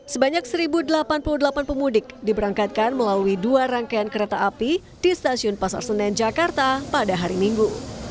sebanyak satu delapan puluh delapan pemudik diberangkatkan melalui dua rangkaian kereta api di stasiun pasar senen jakarta pada hari minggu